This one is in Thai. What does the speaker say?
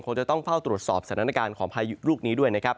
จะต้องเฝ้าตรวจสอบสถานการณ์ของพายุลูกนี้ด้วยนะครับ